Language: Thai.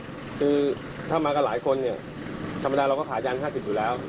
คือถ้ามากับหลายคนเนี่ยธรรมดาเราก็ขายยาง๕๐อยู่แล้ว